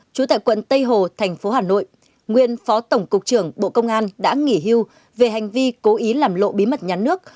trú tại quận tây hồ thành phố hà nội nguyên phó tổng cục trưởng bộ công an đã nghỉ hưu về hành vi cố ý làm lộ bí mật nhà nước